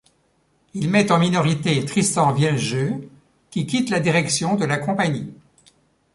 Il met en minorité Tristan Vieljeux qui quitte la direction de la Compagnie.